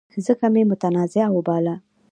ځکه مې متنازعه وباله.